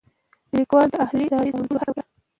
لیکوال د الهي ارادې د موندلو هڅه وکړه.